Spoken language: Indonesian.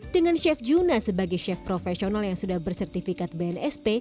dengan chef juna sebagai chef profesional yang sudah bersertifikat bnsp